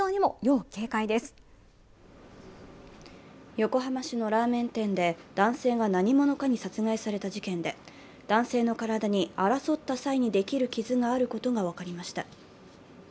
横浜市のラーメン店で、男性が何者かに殺害された事件で、男性の体に争った際にできる傷があることが分かりました。